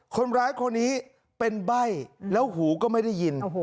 คนร้ายคนนี้เป็นใบ้แล้วหูก็ไม่ได้ยิน